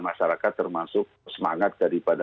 masyarakat termasuk semangat daripada